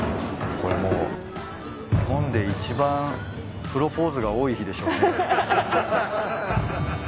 これもう日本で一番プロポーズが多い日でしょうね。